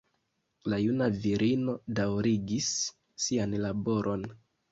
La juna virino daŭrigis sian laboron.